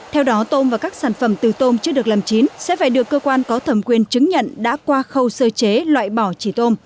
theo đó tôm và các sản phẩm từ tôm chưa được làm chín sẽ phải được cơ quan có thẩm quyền chứng nhận đã qua khâu sơ chế loại bỏ chỉ tôm